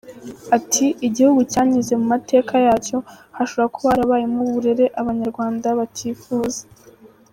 Ati “Igihugu cyanyuze mu mateka yacyo, hashobora kuba harabayemo uburere Abanyarwanda batifuza.